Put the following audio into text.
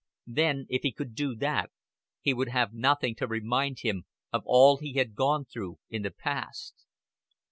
Then, if he could do that, he would have nothing to remind him of all he had gone through in the past.